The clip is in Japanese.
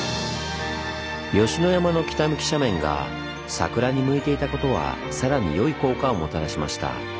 吉野山の北向き斜面が桜に向いていたことはさらに良い効果をもたらしました。